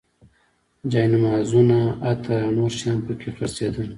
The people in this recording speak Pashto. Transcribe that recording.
جاینمازونه، عطر او نور شیان په کې خرڅېدل.